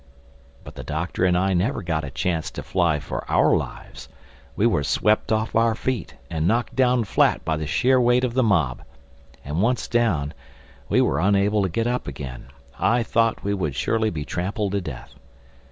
But the Doctor and I never got a chance to fly for our lives. We were swept off our feet and knocked down flat by the sheer weight of the mob. And once down, we were unable to get up again. I thought we would surely be trampled to death.